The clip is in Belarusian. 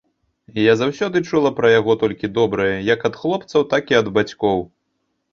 Я заўсёды чула пра яго толькі добрае як ад хлопцаў, так і ад бацькоў.